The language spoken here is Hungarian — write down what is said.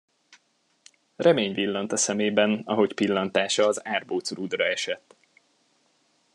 Remény villant a szemében, ahogy pillantása az árbocrúdra esett.